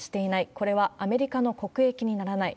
これはアメリカの国益にならない。